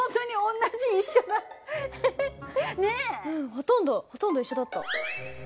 ほとんどほとんど一緒だった。